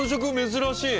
珍しい。